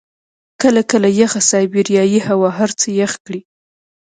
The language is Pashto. کله کله یخه سایبریايي هوا هر څه يخ کړي.